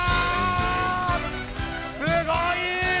すごい！